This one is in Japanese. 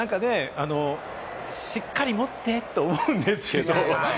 しっかり持って！と思うんですけれど。